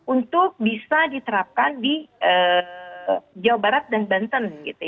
untuk bisa diterapkan di jawa barat dan banten